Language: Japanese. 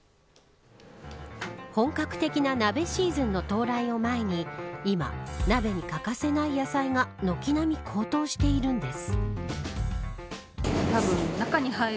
本格的な鍋シーズンの到来を前に今、鍋に欠かせない野菜が軒並み高騰しているんです。